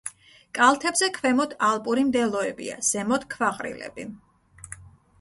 კალთებზე ქვემოთ ალპური მდელოებია, ზემოთ ქვაყრილები.